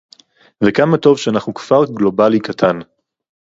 וכמה טוב שאנחנו כפר גלובלי קטן